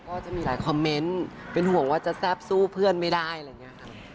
ก็จะมีหลายคอมเมนต์เป็นห่วงว่าจะแซ่บสู้เพื่อนไม่ได้อะไรอย่างนี้ค่ะ